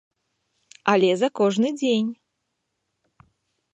Але за кожны дзень!